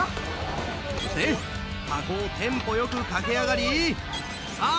で箱をテンポよく駆け上がりさぁ